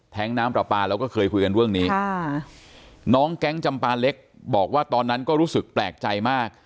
น้ำปลาปลาเราก็เคยคุยกันเรื่องนี้น้องแก๊งจำปาเล็กบอกว่าตอนนั้นก็รู้สึกแปลกใจมาก